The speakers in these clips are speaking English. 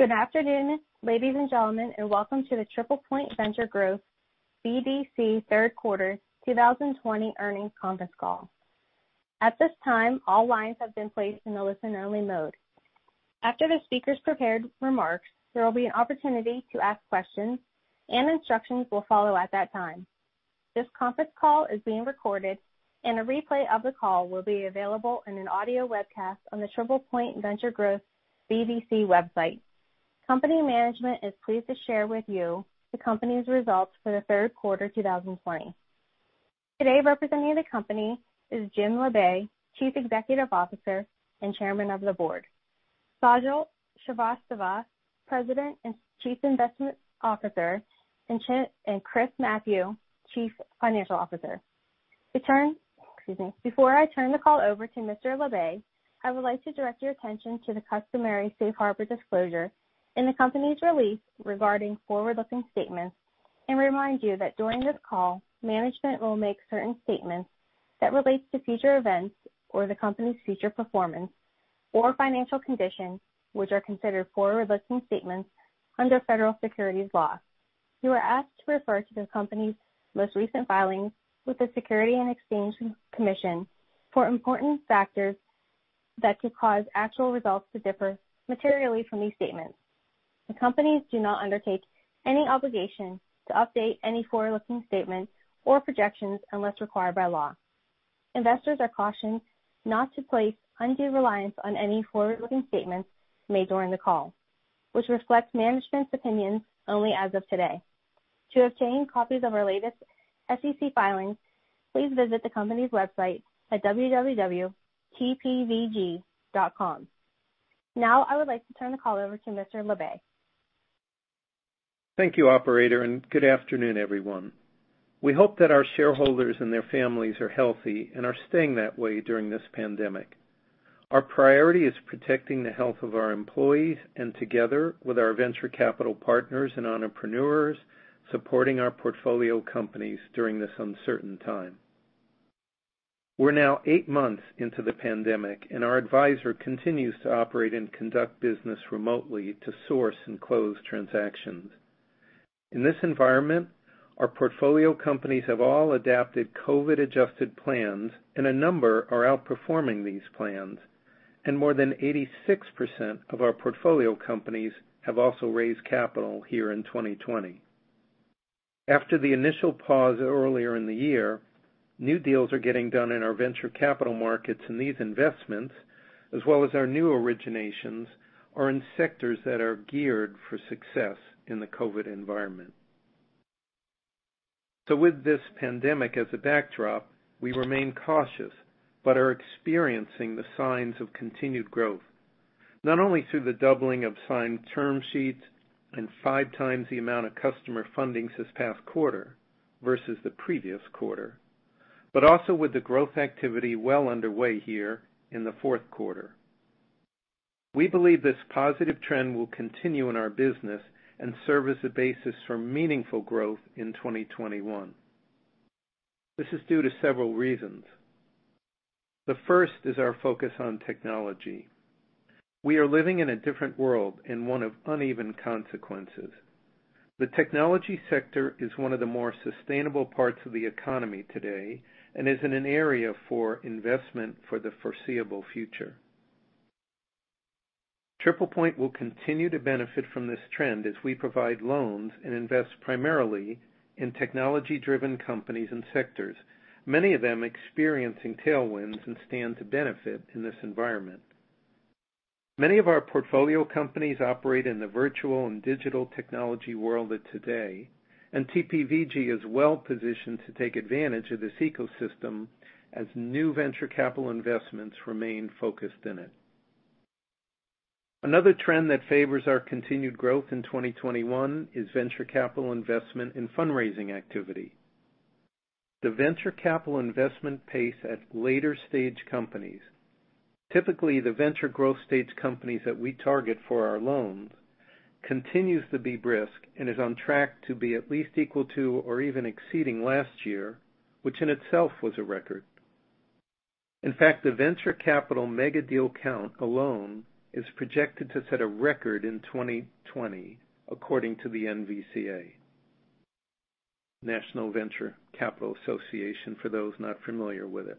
Good afternoon, ladies and gentlemen, and welcome to the TriplePoint Venture Growth BDC Q3 2020 earnings conference call. At this time, all lines have been placed in the listen-only mode. After the speaker's prepared remarks, there will be an opportunity to ask questions, and instructions will follow at that time. This conference call is being recorded, and a replay of the call will be available in an audio webcast on the TriplePoint Venture Growth BDC website. Company management is pleased to share with you the company's results for the Q3 2020. Today, representing the company is Jim Labe, Chief Executive Officer and Chairman of the Board, Sajal Srivastava, President and Chief Investment Officer, and Chris Mathieu, Chief Financial Officer. Excuse me. Before I turn the call over to Mr. Labe, I would like to direct your attention to the customary safe harbor disclosure in the company's release regarding forward-looking statements, and remind you that during this call, management will make certain statements that relate to future events or the company's future performance or financial condition, which are considered forward-looking statements under federal securities law. You are asked to refer to the company's most recent filings with the Securities and Exchange Commission for important factors that could cause actual results to differ materially from these statements. The companies do not undertake any obligation to update any forward-looking statements or projections unless required by law. Investors are cautioned not to place undue reliance on any forward-looking statements made during the call, which reflects management's opinions only as of today. To obtain copies of our latest SEC filings, please visit the company's website at www.tpvg.com. Now, I would like to turn the call over to Mr. Labe. Thank you, operator. Good afternoon, everyone. We hope that our shareholders and their families are healthy and are staying that way during this pandemic. Our priority is protecting the health of our employees, and together with our venture capital partners and entrepreneurs, supporting our portfolio companies during this uncertain time. We're now eight months into the pandemic, and our advisor continues to operate and conduct business remotely to source and close transactions. In this environment, our portfolio companies have all adapted COVID-adjusted plans, and a number are outperforming these plans, and more than 86% of our portfolio companies have also raised capital here in 2020. After the initial pause earlier in the year, new deals are getting done in our venture capital markets, and these investments, as well as our new originations, are in sectors that are geared for success in the COVID environment. With this pandemic as a backdrop, we remain cautious but are experiencing the signs of continued growth, not only through the doubling of signed term sheets and 5x the amount of customer fundings this past quarter versus the previous quarter, but also with the growth activity well underway here in the Q4. We believe this positive trend will continue in our business and serve as a basis for meaningful growth in 2021. This is due to several reasons. The first is our focus on technology. We are living in a different world and one of uneven consequences. The technology sector is one of the more sustainable parts of the economy today and is an area for investment for the foreseeable future. TriplePoint will continue to benefit from this trend as we provide loans and invest primarily in technology-driven companies and sectors, many of them experiencing tailwinds and stand to benefit in this environment. Many of our portfolio companies operate in the virtual and digital technology world of today, and TPVG is well positioned to take advantage of this ecosystem as new venture capital investments remain focused in it. Another trend that favors our continued growth in 2021 is venture capital investment in fundraising activity. The venture capital investment pace at later stage companies, typically the venture growth stage companies that we target for our loans, continues to be brisk and is on track to be at least equal to or even exceeding last year, which in itself was a record. In fact, the venture capital megadeal count alone is projected to set a record in 2020, according to the NVCA, National Venture Capital Association, for those not familiar with it.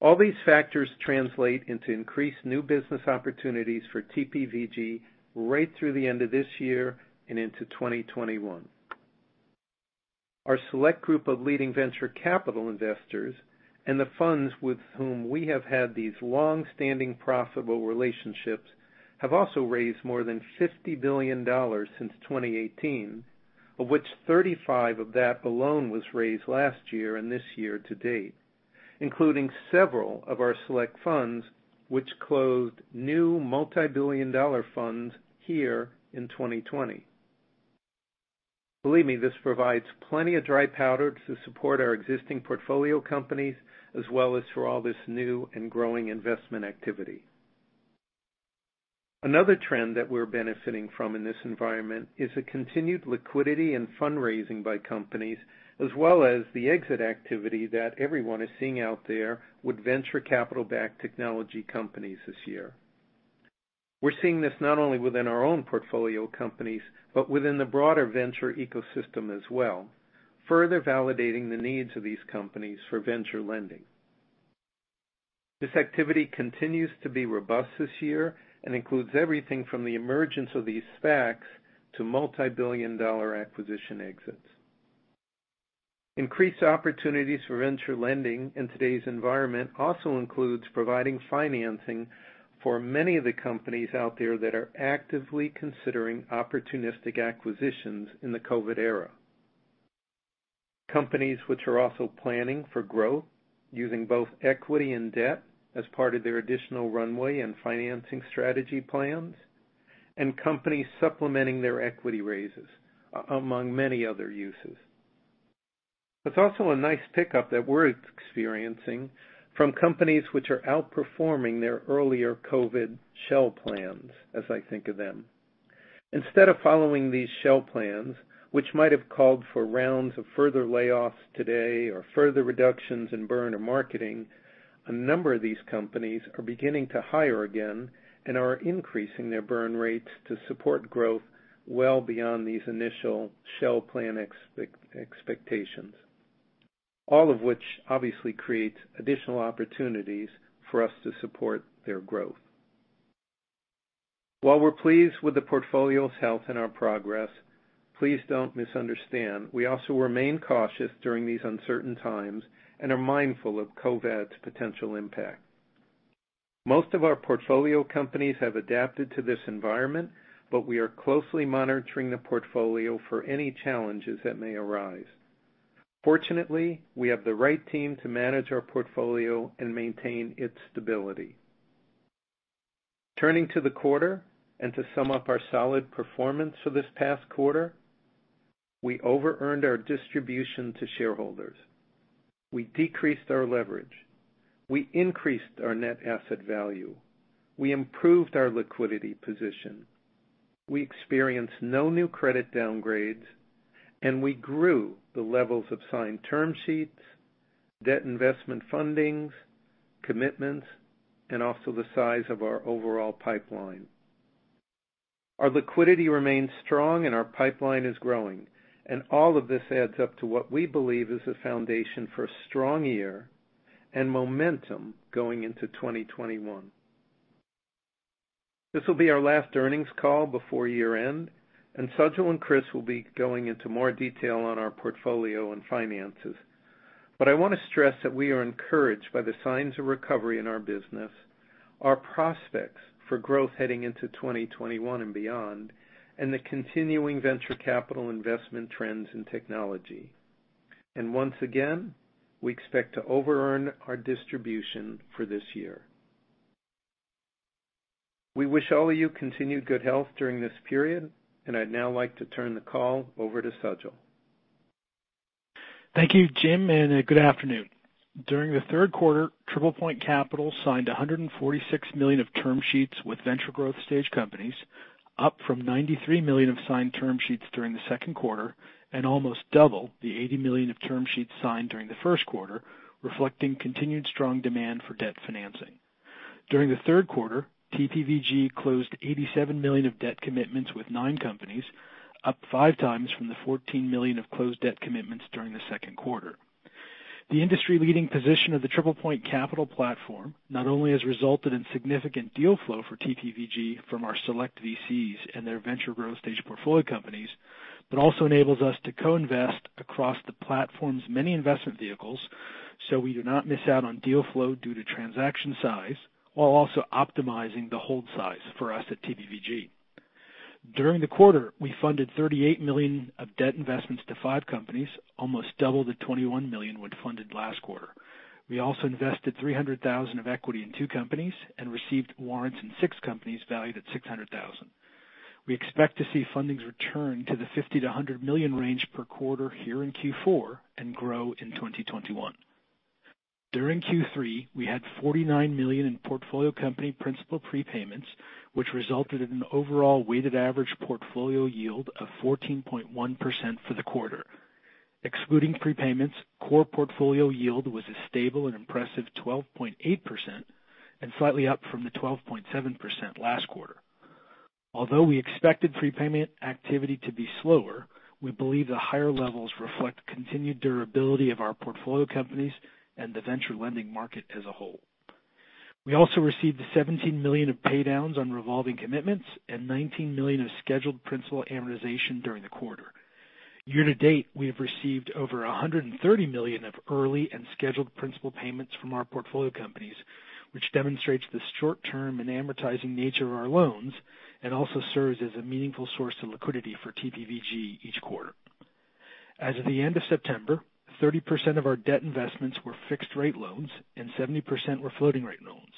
All these factors translate into increased new business opportunities for TPVG right through the end of this year and into 2021. Our select group of leading venture capital investors and the funds with whom we have had these longstanding profitable relationships have also raised more than $50 billion since 2018, of which 35 of that alone was raised last year and this year to date, including several of our select funds, which closed new multibillion-dollar funds here in 2020. Believe me, this provides plenty of dry powder to support our existing portfolio companies, as well as for all this new and growing investment activity. Another trend that we're benefiting from in this environment is the continued liquidity and fundraising by companies, as well as the exit activity that everyone is seeing out there with venture capital-backed technology companies this year. We're seeing this not only within our own portfolio companies, but within the broader venture ecosystem as well, further validating the needs of these companies for venture lending. This activity continues to be robust this year and includes everything from the emergence of these SPACs to multibillion-dollar acquisition exits. Increased opportunities for venture lending in today's environment also includes providing financing for many of the companies out there that are actively considering opportunistic acquisitions in the COVID era. Companies which are also planning for growth using both equity and debt as part of their additional runway and financing strategy plans, and companies supplementing their equity raises, among many other uses. It's also a nice pickup that we're experiencing from companies which are outperforming their earlier COVID shell plans, as I think of them. Instead of following these shell plans, which might have called for rounds of further layoffs today or further reductions in burn or marketing, a number of these companies are beginning to hire again and are increasing their burn rates to support growth well beyond these initial shell plan expectations. All of which obviously creates additional opportunities for us to support their growth. While we're pleased with the portfolio's health and our progress, please don't misunderstand. We also remain cautious during these uncertain times and are mindful of COVID's potential impact. Most of our portfolio companies have adapted to this environment, but we are closely monitoring the portfolio for any challenges that may arise. Fortunately, we have the right team to manage our portfolio and maintain its stability. Turning to the quarter, and to sum up our solid performance for this past quarter, we over-earned our distribution to shareholders. We decreased our leverage. We increased our net asset value. We improved our liquidity position. We experienced no new credit downgrades, and we grew the levels of signed term sheets, debt investment fundings, commitments, and also the size of our overall pipeline. Our liquidity remains strong and our pipeline is growing, and all of this adds up to what we believe is a foundation for a strong year and momentum going into 2021. This will be our last earnings call before year-end, and Sajal and Chris will be going into more detail on our portfolio and finances. I want to stress that we are encouraged by the signs of recovery in our business, our prospects for growth heading into 2021 and beyond, and the continuing venture capital investment trends in technology. Once again, we expect to over-earn our distribution for this year. We wish all of you continued good health during this period, and I'd now like to turn the call over to Sajal. Thank you, Jim, and good afternoon. During the Q3, TriplePoint Capital signed $146 million of term sheets with venture growth stage companies, up from $93 million of signed term sheets during the Q2, and almost double the $80 million of term sheets signed during the Q1, reflecting continued strong demand for debt financing. During the Q3, TPVG closed $87 million of debt commitments with nine companies, up 5x from the $14 million of closed debt commitments during theQ2. The industry-leading position of the TriplePoint Capital platform not only has resulted in significant deal flow for TPVG from our select VCs and their venture growth stage portfolio companies, but also enables us to co-invest across the platform's many investment vehicles, so we do not miss out on deal flow due to transaction size, while also optimizing the hold size for us at TPVG. During the quarter, we funded $38 million of debt investments to five companies, almost double the $21 million we'd funded last quarter. We also invested $300,000 of equity in two companies and received warrants in six companies valued at $600,000. We expect to see fundings return to the $50 million-$100 million range per quarter here in Q4 and grow in 2021. During Q3, we had $49 million in portfolio company principal prepayments, which resulted in an overall weighted average portfolio yield of 14.1% for the quarter. Excluding prepayments, core portfolio yield was a stable and impressive 12.8% and slightly up from the 12.7% last quarter. Although we expected prepayment activity to be slower, we believe the higher levels reflect continued durability of our portfolio companies and the venture lending market as a whole. We also received $17 million of paydowns on revolving commitments and $19 million of scheduled principal amortization during the quarter. Year to date, we have received over $130 million of early and scheduled principal payments from our portfolio companies, which demonstrates the short-term and amortizing nature of our loans and also serves as a meaningful source of liquidity for TPVG each quarter. As of the end of September, 30% of our debt investments were fixed-rate loans and 70% were floating-rate loans.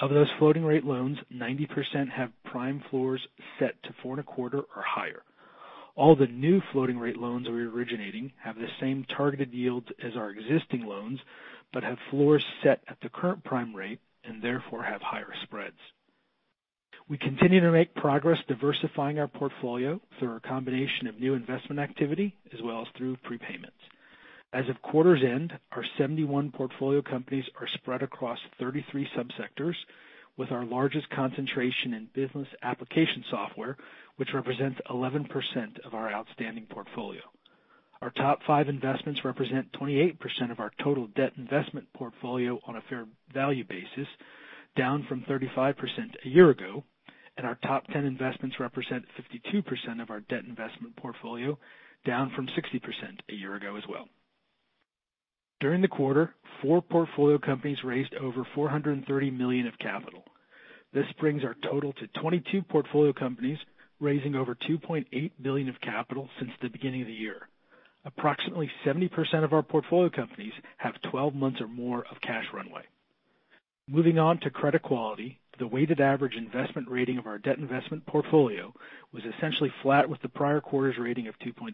Of those floating-rate loans, 90% have prime floors set to 4.25 or higher. All the new floating-rate loans we're originating have the same targeted yields as our existing loans but have floors set at the current prime rate and therefore have higher spreads. We continue to make progress diversifying our portfolio through a combination of new investment activity as well as through prepayments. As of quarter's end, our 71 portfolio companies are spread across 33 sub-sectors, with our largest concentration in business application software, which represents 11% of our outstanding portfolio. Our top five investments represent 28% of our total debt investment portfolio on a fair value basis, down from 35% a year ago. Our top 10 investments represent 52% of our debt investment portfolio, down from 60% a year ago as well. During the quarter, four portfolio companies raised over $430 million of capital. This brings our total to 22 portfolio companies, raising over $2.8 billion of capital since the beginning of the year. Approximately 70% of our portfolio companies have 12 months or more of cash runway. Moving on to credit quality, the weighted average investment rating of our debt investment portfolio was essentially flat with the prior quarter's rating of 2.0.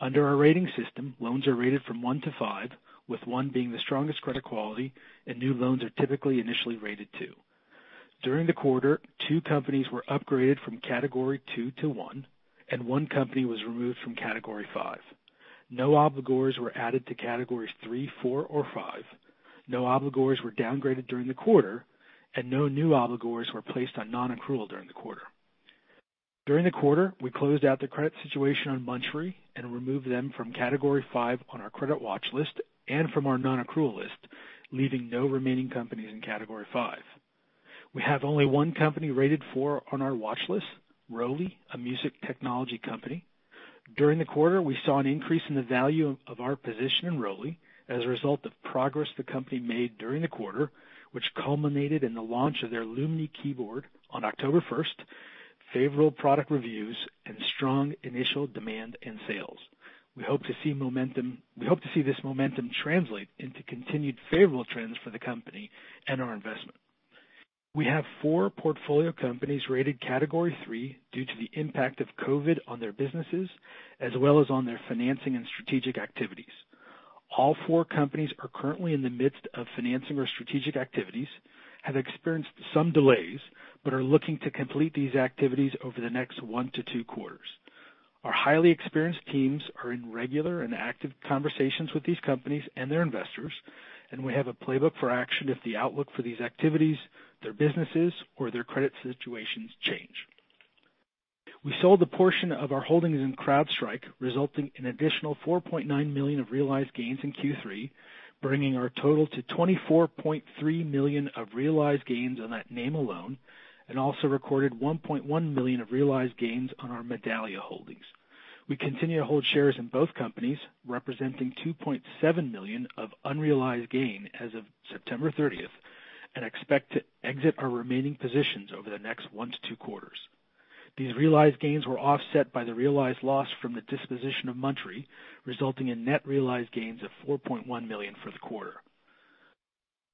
Under our rating system, loans are rated from one - five, with one being the strongest credit quality, and new loans are typically initially rated two. During the quarter, two companies were upgraded from category two - one, and one company was removed from category five. No obligors were added to categories three, four, or five. No obligors were downgraded during the quarter, and no new obligors were placed on non-accrual during the quarter. During the quarter, we closed out the credit situation on Munchery and removed them from category five on our credit watch list and from our non-accrual list, leaving no remaining companies in category five. We have only one company rated four on our watch list, ROLI, a music technology company. During the quarter, we saw an increase in the value of our position in ROLI as a result of progress the company made during the quarter, which culminated in the launch of their LUMI keyboard on October 1st, favorable product reviews, and strong initial demand and sales. We hope to see this momentum translate into continued favorable trends for the company and our investment. We have four portfolio companies rated category three due to the impact of COVID on their businesses as well as on their financing and strategic activities. All four companies are currently in the midst of financing or strategic activities, have experienced some delays, but are looking to complete these activities over the next Q1 - Q2. Our highly experienced teams are in regular and active conversations with these companies and their investors, and we have a playbook for action if the outlook for these activities, their businesses, or their credit situations change. We sold a portion of our holdings in CrowdStrike, resulting in additional $4.9 million of realized gains in Q3, bringing our total to $24.3 million of realized gains on that name alone, and also recorded $1.1 million of realized gains on our Medallia holdings. We continue to hold shares in both companies, representing $2.7 million of unrealized gain as of September 30th, and expect to exit our remaining positions over the next Q1 - two Q2. These realized gains were offset by the realized loss from the disposition of Muntri, resulting in net realized gains of $4.1 million for the quarter.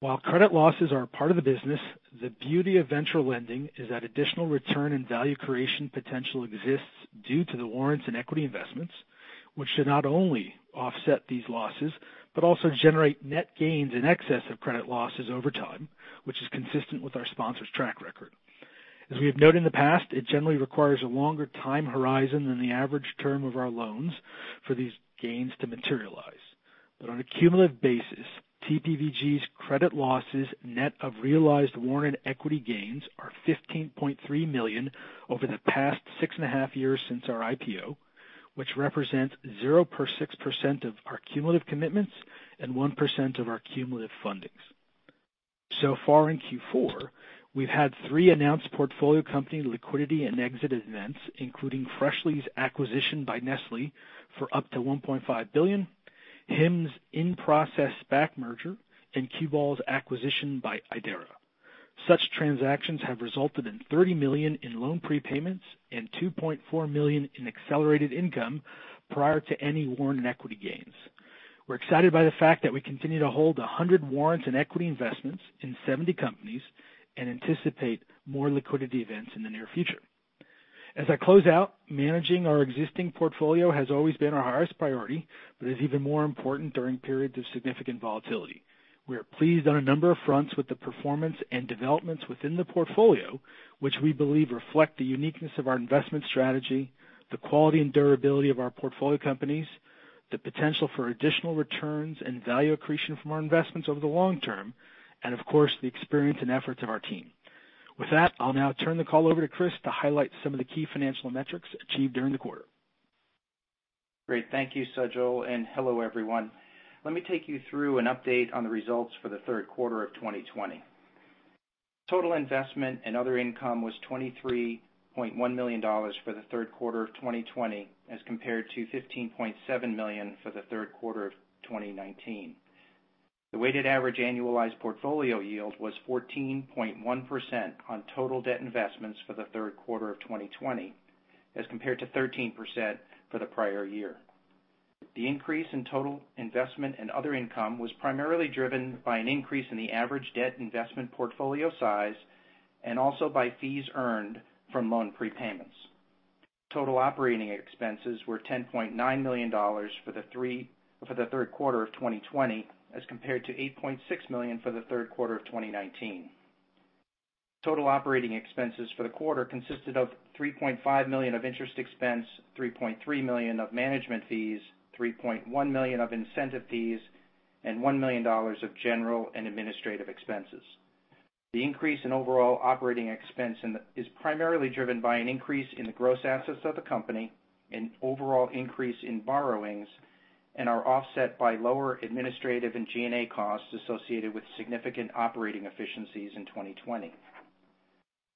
While credit losses are a part of the business, the beauty of venture lending is that additional return and value creation potential exists due to the warrants and equity investments, which should not only offset these losses, but also generate net gains in excess of credit losses over time, which is consistent with our sponsor's track record. As we have noted in the past, it generally requires a longer time horizon than the average term of our loans for these gains to materialize. On a cumulative basis, TPVG's credit losses, net of realized warrant equity gains, are $15.3 million over the past six and a half years since our IPO, which represents 0.6% of our cumulative commitments and one percent of our cumulative fundings. Far in Q4, we've had three announced portfolio company liquidity and exit events, including Freshly's acquisition by Nestlé for up to $1.5 billion, Hims in-process SPAC merger, and Q-Ball's acquisition by Aidera. Such transactions have resulted in $30 million in loan prepayments and $2.4 million in accelerated income prior to any warrant equity gains. We're excited by the fact that we continue to hold 100 warrants and equity investments in 70 companies and anticipate more liquidity events in the near future. As I close out, managing our existing portfolio has always been our highest priority, but is even more important during periods of significant volatility. We are pleased on a number of fronts with the performance and developments within the portfolio, which we believe reflect the uniqueness of our investment strategy, the quality and durability of our portfolio companies, the potential for additional returns and value accretion from our investments over the long term, and of course, the experience and efforts of our team. With that, I'll now turn the call over to Chris to highlight some of the key financial metrics achieved during the quarter. Great. Thank you, Sajal, and hello, everyone. Let me take you through an update on the results for the Q3 of 2020. Total investment and other income was $23.1 million for the Q3 of 2020 as compared to $15.7 million for the Q3 of 2019. The weighted average annualized portfolio yield was 14.1% on total debt investments for the Q3 of 2020 as compared to 13% for the prior year. The increase in total investment and other income was primarily driven by an increase in the average debt investment portfolio size and also by fees earned from loan prepayments. Total operating expenses were $10.9 million for the Q3 of 2020 as compared to $8.6 million for the Q3 of 2019. Total operating expenses for the quarter consisted of $3.5 million of interest expense, $3.3 million of management fees, $3.1 million of incentive fees, and $1 million of general and administrative expenses. The increase in overall operating expense is primarily driven by an increase in the gross assets of the company and overall increase in borrowings and are offset by lower administrative and G&A costs associated with significant operating efficiencies in 2020.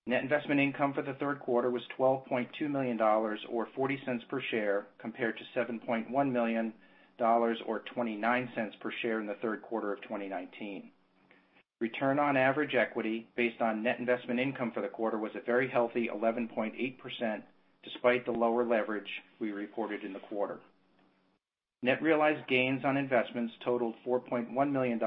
Net investment income for the Q3 was $12.2 million, or $0.40 per share, compared to $7.1 million or $0.29 per share in the Q3 of 2019. Return on average equity based on net investment income for the quarter was a very healthy 11.8%, despite the lower leverage we reported in the quarter. Net realized gains on investments totaled $4.1 million,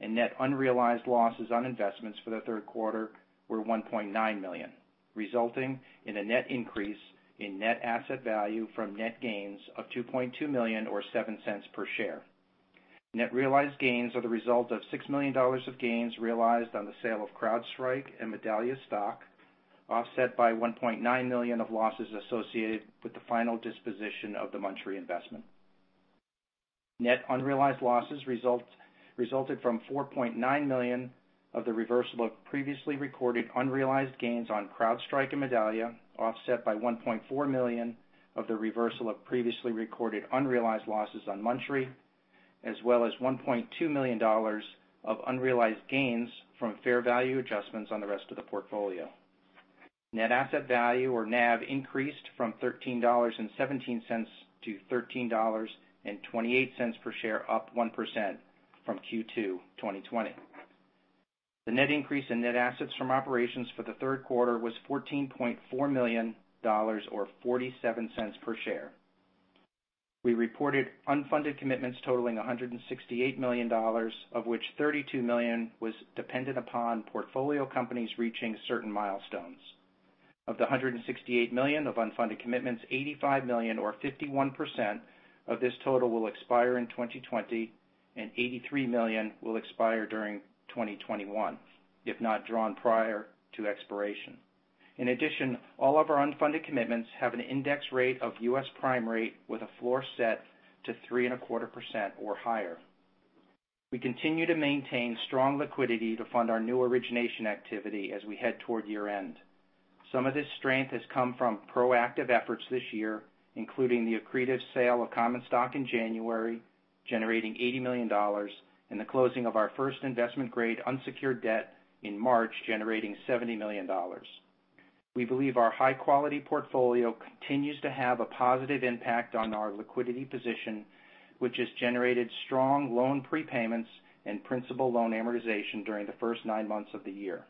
and net unrealized losses on investments for the Q3 were $1.9 million, resulting in a net increase in net asset value from net gains of $2.2 million or $0.07 per share. Net realized gains are the result of $6 million of gains realized on the sale of CrowdStrike and Medallia stock, offset by $1.9 million of losses associated with the final disposition of the Munshri investment. Net unrealized losses resulted from $4.9 million of the reversal of previously recorded unrealized gains on CrowdStrike and Medallia, offset by $1.4 million of the reversal of previously recorded unrealized losses on Munshri, as well as $1.2 million of unrealized gains from fair value adjustments on the rest of the portfolio. Net asset value, or NAV, increased from $13.17 to $13.28 per share, up one percent from Q2 2020. The net increase in net assets from operations for the Q3 was $14.4 million or $0.47 per share. We reported unfunded commitments totaling $168 million, of which $32 million was dependent upon portfolio companies reaching certain milestones. Of the $168 million of unfunded commitments, $85 million, or 51% of this total, will expire in 2020, and $83 million will expire during 2021 if not drawn prior to expiration. In addition, all of our unfunded commitments have an index rate of US prime rate with a floor set to 3.25% or higher. We continue to maintain strong liquidity to fund our new origination activity as we head toward year-end. Some of this strength has come from proactive efforts this year, including the accretive sale of common stock in January, generating $80 million, and the closing of our first investment-grade unsecured debt in March, generating $70 million. We believe our high-quality portfolio continues to have a positive impact on our liquidity position, which has generated strong loan prepayments and principal loan amortization during the first nine months of the year.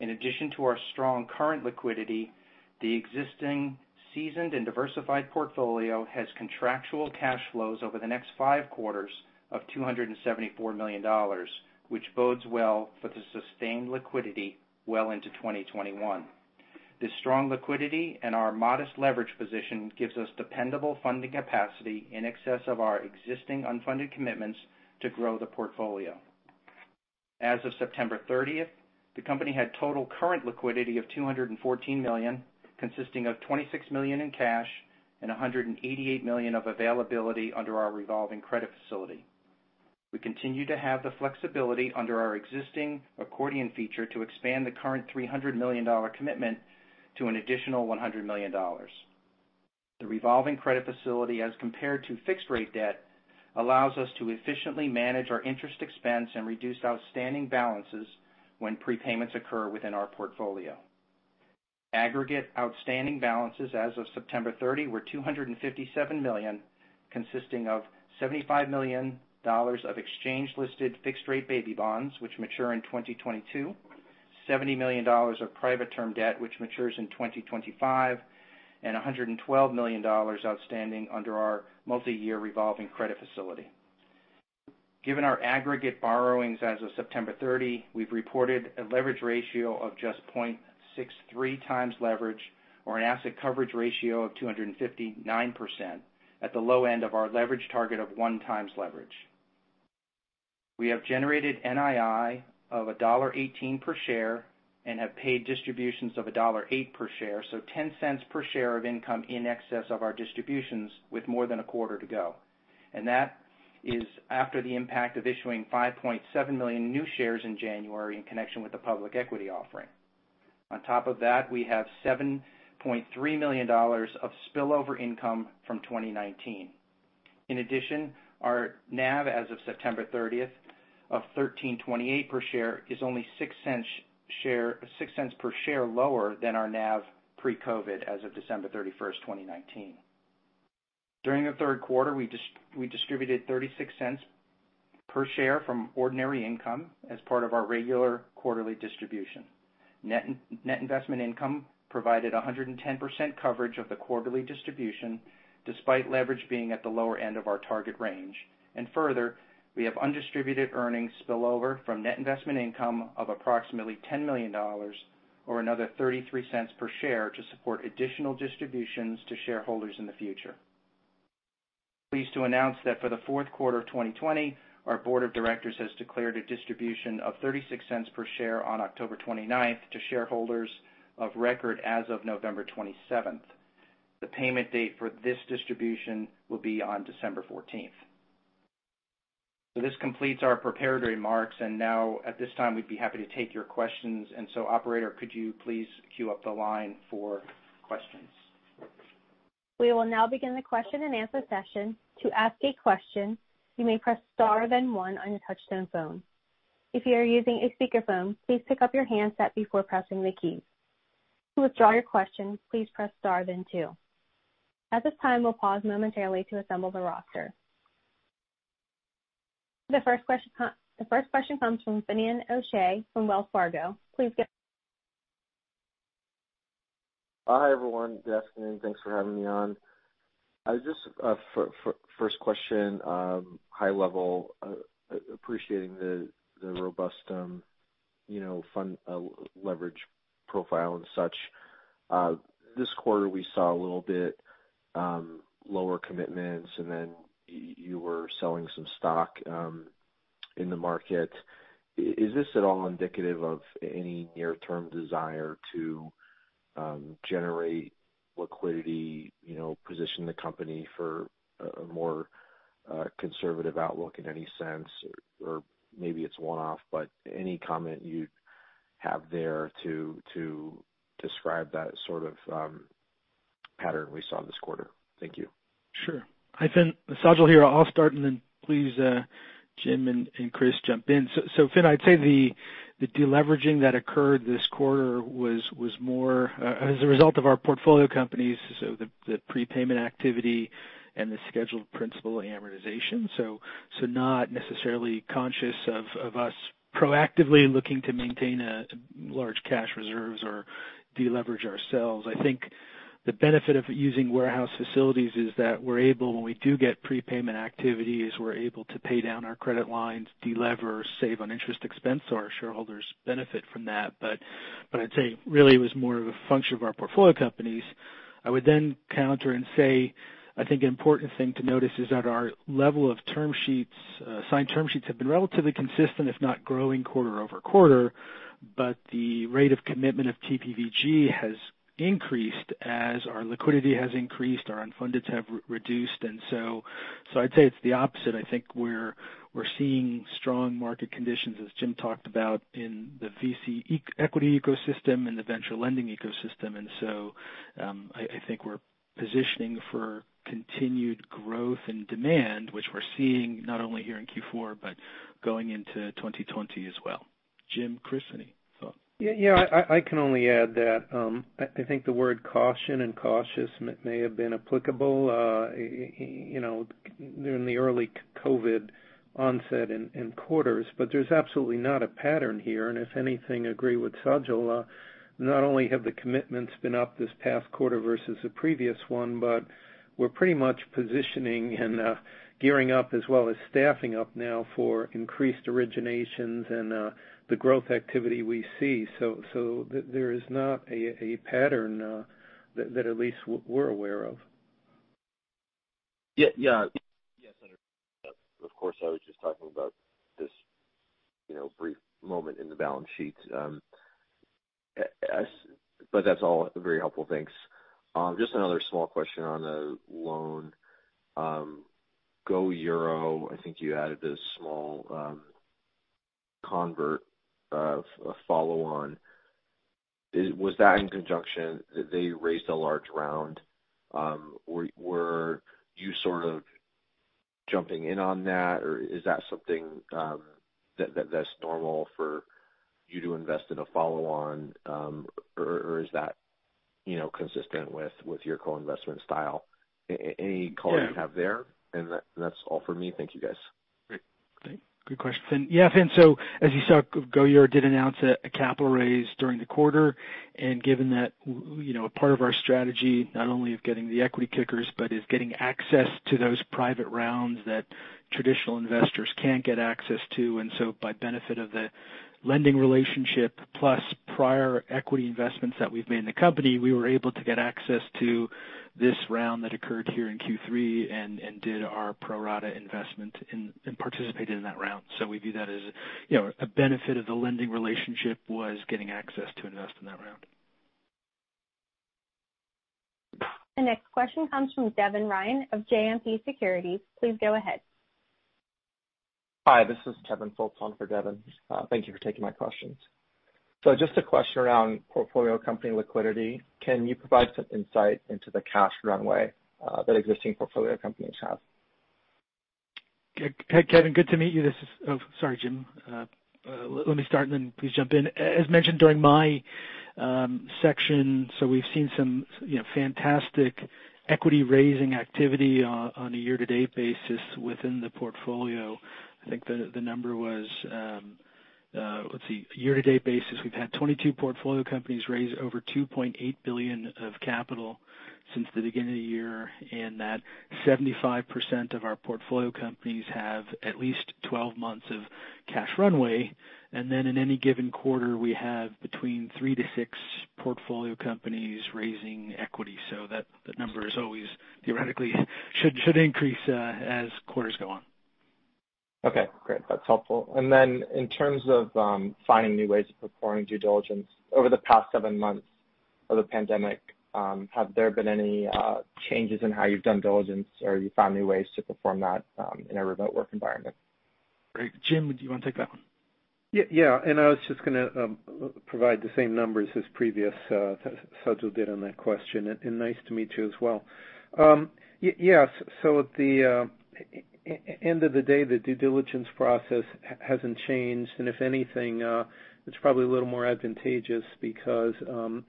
In addition to our strong current liquidity, the existing seasoned and diversified portfolio has contractual cash flows over the next Q5 of $274 million, which bodes well for the sustained liquidity well into 2021. This strong liquidity and our modest leverage position gives us dependable funding capacity in excess of our existing unfunded commitments to grow the portfolio. As of September 30th, the company had total current liquidity of $214 million, consisting of $26 million in cash and $188 million of availability under our revolving credit facility. We continue to have the flexibility under our existing accordion feature to expand the current $300 million commitment to an additional $100 million. The revolving credit facility, as compared to fixed-rate debt, allows us to efficiently manage our interest expense and reduce outstanding balances when prepayments occur within our portfolio. Aggregate outstanding balances as of September 30 were $257 million, consisting of $75 million of exchange-listed fixed-rate baby bonds, which mature in 2022, $70 million of private-term debt, which matures in 2025, and $112 million outstanding under our multiyear revolving credit facility. Given our aggregate borrowings as of September 30, we've reported a leverage ratio of just 0.63x leverage or an asset coverage ratio of 259% at the low end of our leverage target of one times leverage. We have generated NII of $1.18 per share and have paid distributions of $1.08 per share, $0.10 per share of income in excess of our distributions with more than a quarter to go. That is after the impact of issuing 5.7 million new shares in January in connection with the public equity offering. On top of that, we have $7.3 million of spillover income from 2019. In addition, our NAV as of September 30th of $13.28 per share is only $0.06 per share lower than our NAV pre-COVID as of December 31st, 2019. During the Q3, we distributed $0.36 per share from ordinary income as part of our regular quarterly distribution. Net investment income provided 110% coverage of the quarterly distribution, despite leverage being at the lower end of our target range. Further, we have undistributed earnings spillover from net investment income of approximately $10 million, or another $0.33 per share, to support additional distributions to shareholders in the future. Pleased to announce that for the Q4 of 2020, our board of directors has declared a distribution of $0.36 per share on October 29th to shareholders of record as of November 27th. The payment date for this distribution will be on December 14th. This completes our prepared remarks, and now at this time, we'd be happy to take your questions. Operator, could you please queue up the line for questions? The first question comes from Finian O'Shea from Wells Fargo. Please go- Hi, everyone. Good afternoon. Thanks for having me on. Just first question, high level, appreciating the robust leverage profile and such. This quarter, we saw a little bit lower commitments, and then you were selling some stock in the market. Is this at all indicative of any near-term desire to generate liquidity, position the company for a more conservative outlook in any sense? Maybe it's one-off, but any comment you'd have there to describe that sort of pattern we saw this quarter? Thank you. Sure. Hi, Finn. Sajal here. I'll start, and then please, Jim and Chris, jump in. Finn, I'd say the de-leveraging that occurred this quarter was more as a result of our portfolio companies, so the prepayment activity and the scheduled principal amortization. Not necessarily conscious of us proactively looking to maintain large cash reserves or de-leverage ourselves. I think the benefit of using warehouse facilities is that when we do get prepayment activities, we're able to pay down our credit lines, de-lever, save on interest expense, so our shareholders benefit from that. I'd say really it was more of a function of our portfolio companies. I would counter and say, I think an important thing to notice is that our level of signed term sheets have been relatively consistent, if not growing quarter-over-quarter, but the rate of commitment of TPVG has increased as our liquidity has increased, our unfundeds have reduced. I'd say it's the opposite. I think we're seeing strong market conditions, as Jim talked about in the VC equity ecosystem and the venture lending ecosystem. I think we're positioning for continued growth and demand, which we're seeing not only here in Q4 but going into 2020 as well. Jim, Chris, any thoughts? Yeah. I can only add that I think the word caution and cautious may have been applicable during the early COVID onset and quarters, but there's absolutely not a pattern here. If anything, agree with Sajal. Not only have the commitments been up this past quarter versus the previous one, but we're pretty much positioning and gearing up as well as staffing up now for increased originations and the growth activity we see. There is not a pattern that at least we're aware of. Yeah. Yes, I understand that. Of course, I was just talking about this brief moment in the balance sheets. That's all very helpful. Thanks. Just another small question on the loan. Omio, I think you added a small convert of a follow-on. They raised a large round. Were you sort of jumping in on that, or is that something that's normal for you to invest in a follow-on, or is that consistent with your co-investment style? Any color you have there. That's all for me. Thank you, guys. Great. Great. Good question, Finn. Yeah, Finn, as you saw, Omio did announce a capital raise during the quarter, given that a part of our strategy not only of getting the equity kickers but is getting access to those private rounds that traditional investors can't get access to. By benefit of the lending relationship plus prior equity investments that we've made in the company, we were able to get access to this round that occurred here in Q3 and did our pro rata investment and participated in that round. We view that as a benefit of the lending relationship was getting access to invest in that round. The next question comes from Devin Ryan of JMP Securities. Please go ahead. Hi, this is Kevin Fultz for Devin. Thank you for taking my questions. Just a question around portfolio company liquidity. Can you provide some insight into the cash runway that existing portfolio companies have? Kevin, good to meet you. Sorry, Jim. Let me start, and then please jump in. As mentioned during my section, we've seen some fantastic equity-raising activity on a year-to-date basis within the portfolio. I think the number was, let's see, year-to-date basis, we've had 22 portfolio companies raise over $2.8 billion of capital since the beginning of the year, and that 75% of our portfolio companies have at least 12 months of cash runway. In any given quarter, we have between three - six portfolio companies raising equity. That number theoretically should increase as quarters go on. Okay, great. That's helpful. Then in terms of finding new ways of performing due diligence over the past seven months of the pandemic, have there been any changes in how you've done diligence, or you found new ways to perform that in a remote work environment? Great. Jim, do you want to take that one? Yeah. I was just going to provide the same numbers as previous, Sajal did on that question. Nice to meet you as well. Yes. At the end of the day, the due diligence process hasn't changed. If anything, it's probably a little more advantageous because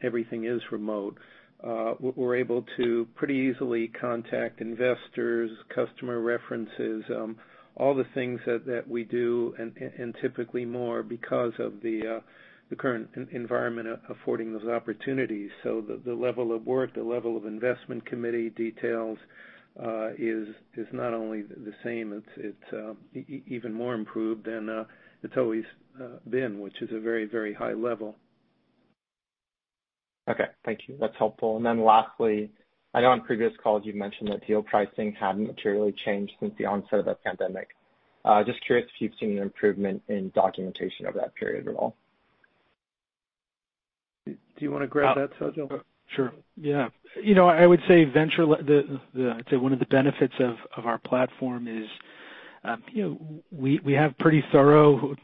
everything is remote. We're able to pretty easily contact investors, customer references, all the things that we do, and typically more because of the current environment affording those opportunities. The level of work, the level of investment committee details, is not only the same, it's even more improved than it's always been, which is a very high level. Okay. Thank you. That's helpful. Lastly, I know on previous calls you've mentioned that deal pricing hadn't materially changed since the onset of the pandemic. Just curious if you've seen an improvement in documentation over that period at all. Do you want to grab that, Sajal? Sure. Yeah. I would say one of the benefits of our platform is we have pretty thorough,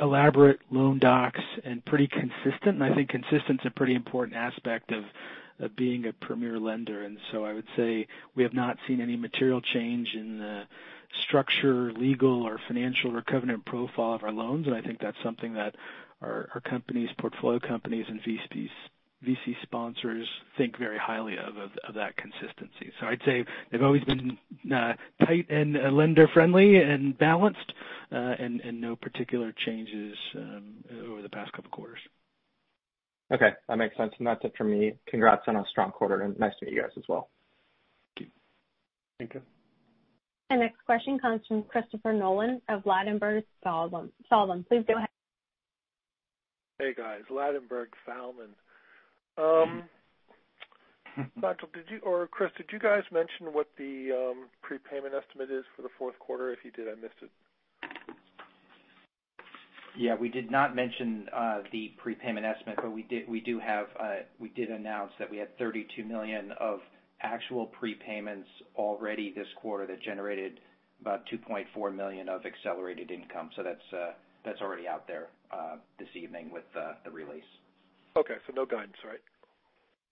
elaborate loan docs and pretty consistent. I think consistent's a pretty important aspect of being a premier lender. I would say we have not seen any material change in the structure, legal or financial, or covenant profile of our loans. I think that's something that our companies, portfolio companies and VC sponsors think very highly of that consistency. I'd say they've always been tight and lender friendly and balanced, and no particular changes over the past couple of quarters. Okay. That makes sense. That's it for me. Congrats on a strong quarter and nice to meet you guys as well. Thank you. Thank you. Our next question comes from Christopher Nolan of Ladenburg Thalmann. Please go ahead. Hey, guys. Ladenburg Thalmann. Sajal or Chris, did you guys mention what the prepayment estimate is for the Q4? If you did, I missed it. We did not mention the prepayment estimate. We did announce that we had $32 million of actual prepayments already this quarter that generated about $2.4 million of accelerated income. That is already out there this evening with the release. Okay. No guidance, right?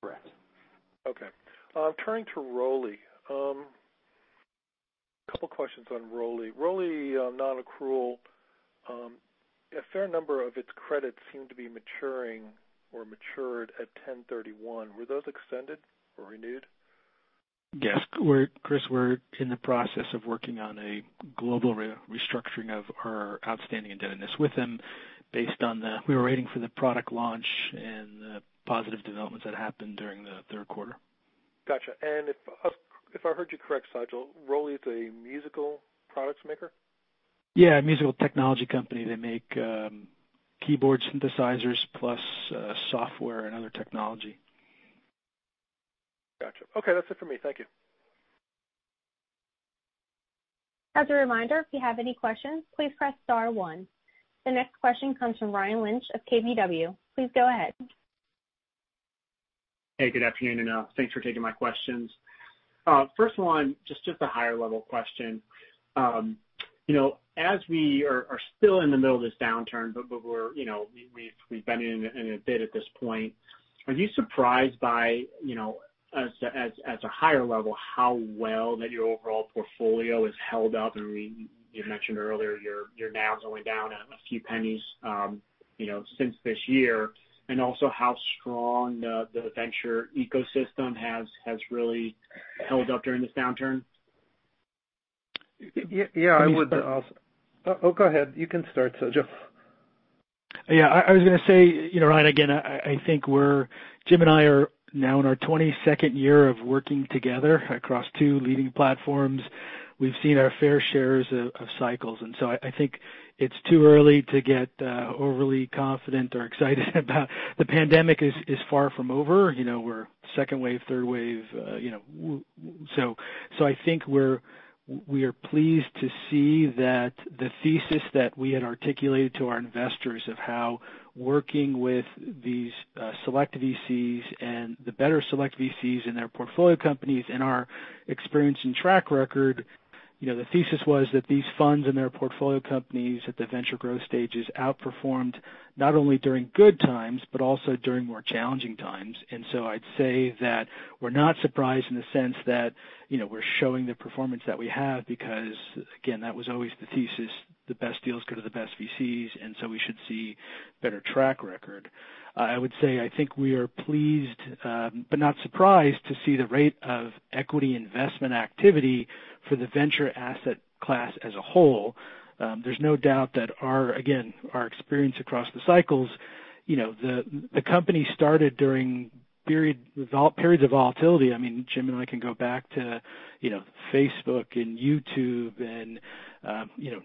Correct. Okay. Turning to ROLI. A couple questions on ROLI. ROLI non-accrual. A fair number of its credits seem to be maturing or matured at 10/31. Were those extended or renewed? Yes. Chris, we're in the process of working on a global restructuring of our outstanding indebtedness with them. We were waiting for the product launch and the positive developments that happened during the Q3. Got you. If I heard you correct, Sajal, ROLI is a musical products maker? Yeah, a musical technology company. They make keyboard synthesizers plus software and other technology. Got you. Okay, that's it for me. Thank you. As a reminder, if you have any questions, please press star one. The next question comes from Ryan Lynch of KBW. Please go ahead. Hey, good afternoon, and thanks for taking my questions. First one, just a higher-level question. As we are still in the middle of this downturn, but we've been in it a bit at this point. Are you surprised by, as a higher level, how well that your overall portfolio has held up? I mean, you mentioned earlier your NAV's only down a few pennies since this year. Also how strong the venture ecosystem has really held up during this downturn? Yeah. Oh, go ahead. You can start, Sajal. Yeah, I was going to say, Ryan, again, I think Jim and I are now in our 22nd year of working together across two leading platforms. We've seen our fair shares of cycles. I think it's too early to get overly confident or excited about. The pandemic is far from over. We're second wave, third wave. I think we are pleased to see that the thesis that we had articulated to our investors of how working with these select VCs and the better select VCs and their portfolio companies and our experience and track record, the thesis was that these funds and their portfolio companies at the venture growth stages outperformed not only during good times but also during more challenging times. I'd say that we're not surprised in the sense that we're showing the performance that we have because, again, that was always the thesis. The best deals go to the best VCs, we should see better track record. I would say I think we are pleased but not surprised to see the rate of equity investment activity for the venture asset class as a whole. There's no doubt that, again, our experience across the cycles. The company started during periods of volatility. I mean, Jim and I can go back to Facebook and YouTube and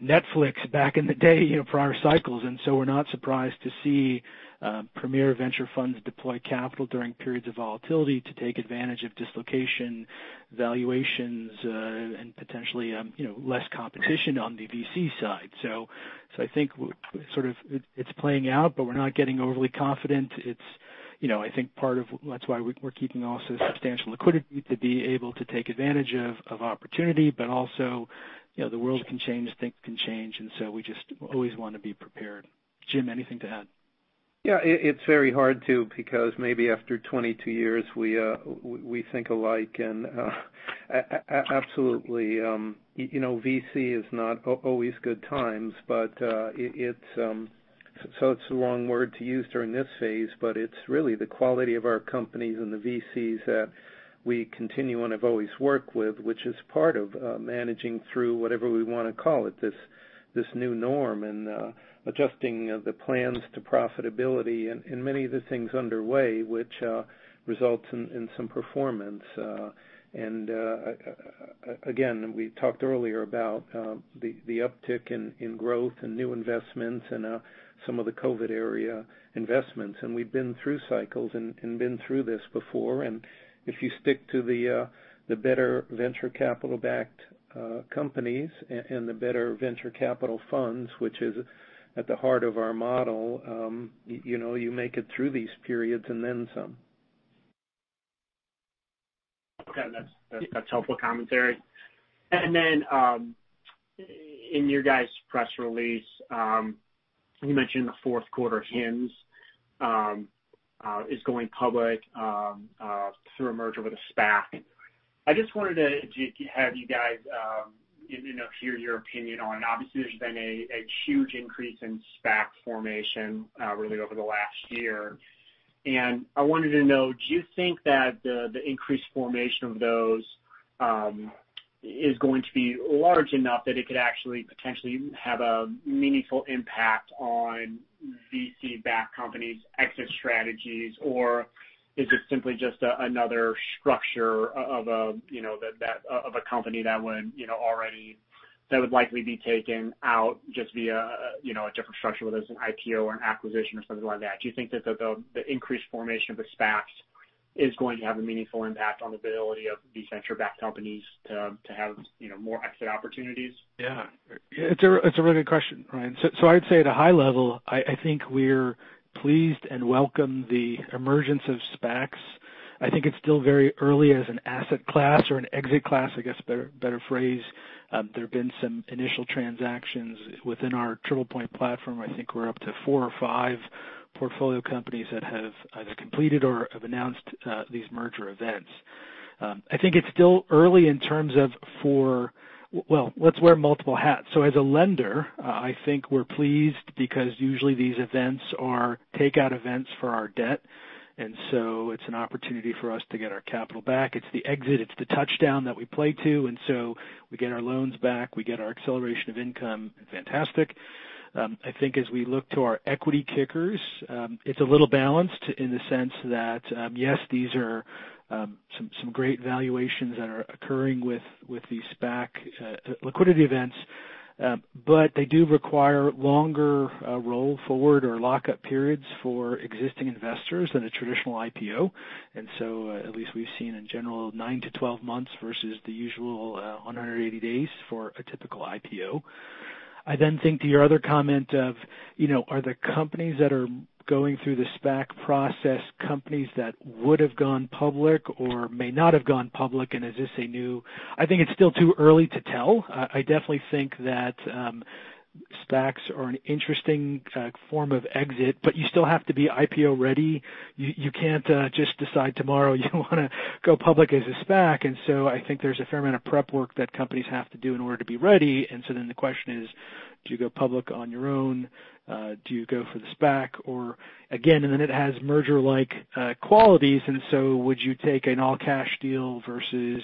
Netflix back in the day, prior cycles. We're not surprised to see premier venture funds deploy capital during periods of volatility to take advantage of dislocation valuations, and potentially, less competition on the VC side. I think it's playing out, but we're not getting overly confident. I think part of that's why we're keeping also substantial liquidity to be able to take advantage of opportunity, but also, the world can change, things can change, and so we just always want to be prepared. Jim, anything to add? Yeah. It's very hard. Because maybe after 22 years, we think alike. Absolutely. VC is not always good times, so it's the wrong word to use during this phase, but it's really the quality of our companies and the VCs that we continue and have always worked with, which is part of managing through whatever we want to call it, this new norm, and adjusting the plans to profitability and many of the things underway, which results in some performance. Again, we talked earlier about the uptick in growth and new investments and some of the COVID area investments. We've been through cycles and been through this before. If you stick to the better venture capital-backed companies and the better venture capital funds, which is at the heart of our model, you make it through these periods and then some. That's helpful commentary. In your guys' press release, you mentioned the Q4, Hims, is going public through a merger with a SPAC. I just wanted to have you guys hear your opinion on, obviously, there's been a huge increase in SPAC formation really over the last year. I wanted to know, do you think that the increased formation of those is going to be large enough that it could actually potentially have a meaningful impact on VC-backed companies' exit strategies? Or is it simply just another structure of a company that would likely be taken out just via a different structure, whether it's an IPO or an acquisition or something like that? Do you think that the increased formation of SPACs is going to have a meaningful impact on the ability of venture-backed companies to have more exit opportunities? It's a really good question, Ryan. I'd say at a high level, I think we're pleased and welcome the emergence of SPACs. I think it's still very early as an asset class or an exit class, I guess a better phrase. There have been some initial transactions within our TriplePoint platform. I think we're up to four or five portfolio companies that have either completed or have announced these merger events. I think it's still early in terms of Well, let's wear multiple hats. As a lender, I think we're pleased because usually these events are takeout events for our debt, it's an opportunity for us to get our capital back. It's the exit, it's the touchdown that we play to, we get our loans back, we get our acceleration of income. Fantastic. I think as we look to our equity kickers, it's a little balanced in the sense that, yes, these are some great valuations that are occurring with these SPAC liquidity events. They do require longer roll forward or lockup periods for existing investors than a traditional IPO. At least we've seen in general 9 - 12 months versus the usual 180 days for a typical IPO. I then think to your other comment of, are the companies that are going through the SPAC process, companies that would have gone public or may not have gone public. I think it's still too early to tell. I definitely think that SPACs are an interesting form of exit, but you still have to be IPO ready. You can't just decide tomorrow you want to go public as a SPAC. I think there's a fair amount of prep work that companies have to do in order to be ready. Then the question is, do you go public on your own? Do you go for the SPAC? Again, and then it has merger-like qualities, and so would you take an all-cash deal versus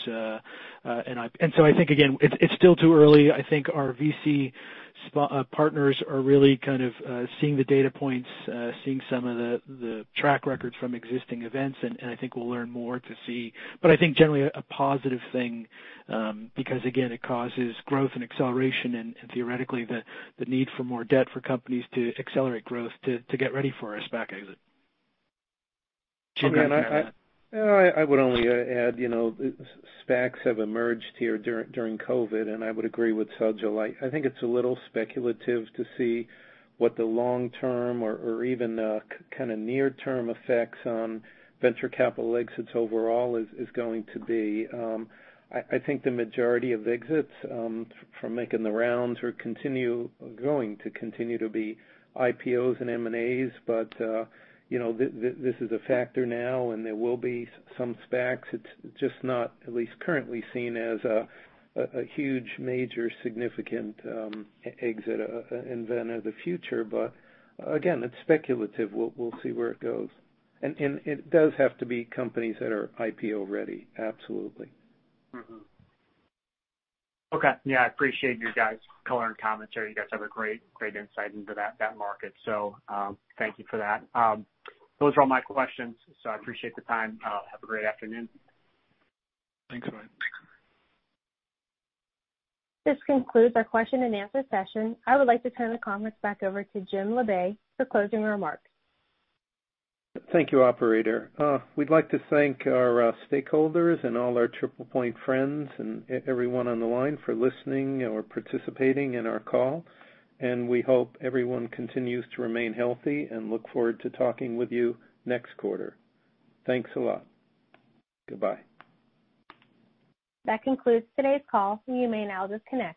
an IP-- I think, again, it's still too early. I think our VC partners are really kind of seeing the data points, seeing some of the track records from existing events, and I think we'll learn more to see. I think generally a positive thing, because again, it causes growth and acceleration and theoretically, the need for more debt for companies to accelerate growth to get ready for a SPAC exit. Jim, anything to add? I would only add, SPACs have emerged here during COVID, and I would agree with Sajal. I think it's a little speculative to see what the long term or even kind of near term effects on venture capital exits overall is going to be. I think the majority of exits from making the rounds are going to continue to be IPOs and M&As. This is a factor now, and there will be some SPACs. It's just not at least currently seen as a huge, major, significant exit and then of the future. Again, it's speculative. We'll see where it goes. It does have to be companies that are IPO ready. Absolutely. Okay. Yeah, I appreciate your guys' color and commentary. You guys have a great insight into that market. Thank you for that. Those were all my questions. I appreciate the time. Have a great afternoon. Thanks, Ryan. Thanks. This concludes our question and answer session. I would like to turn the conference back over to Jim Labe for closing remarks. Thank you, operator. We'd like to thank our stakeholders and all our TriplePoint friends and everyone on the line for listening or participating in our call. We hope everyone continues to remain healthy and look forward to talking with you next quarter. Thanks a lot. Goodbye. That concludes today's call. You may now disconnect.